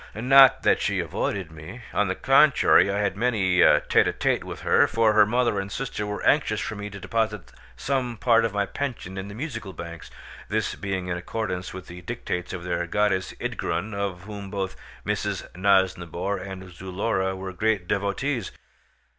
Not that she avoided me; on the contrary I had many a tête à tête with her, for her mother and sister were anxious for me to deposit some part of my pension in the Musical Banks, this being in accordance with the dictates of their goddess Ydgrun, of whom both Mrs. Nosnibor and Zulora were great devotees.